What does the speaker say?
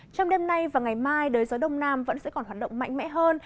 trong đêm nay và ngày mai đới gió đông nam vẫn sẽ còn hoạt động mạnh mẽ hơn